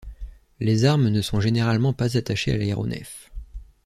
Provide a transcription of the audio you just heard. Les armes ne sont généralement pas attachées à l'aéronef.